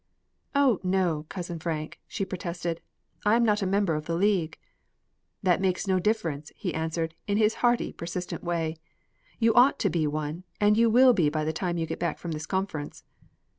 "O no, Cousin Frank," she protested. "I am not a member of the League." "That makes no difference," he answered, in his hearty, persistent way. "You ought to be one, and you will be by the time you get back from this conference."